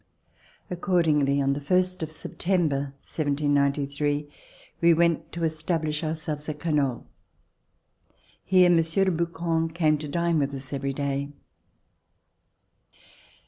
Accordingly, on the first of September, 1793, we went to establish our selves at Canoles. Here Monsieur de Brouquens came to dine with us every day.